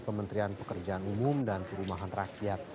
kementerian pekerjaan umum dan perumahan rakyat